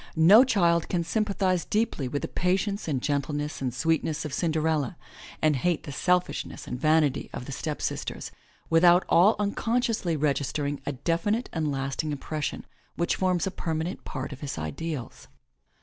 No child can sym pathize deeply with the patience and gentleness and sweetness of Cinderella and hate the selfishness and vanity of the stepsisters, 203 M Y BOOK HOUSE without all unconsciously registering a definite and lasting impres sion which forms a permanent part of his ideals.